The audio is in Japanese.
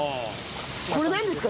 これなんですか？